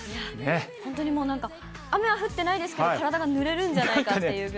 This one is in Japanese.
本当にもうなんか、雨は降ってないですけど、体がぬれるんじゃないかっていうぐらい。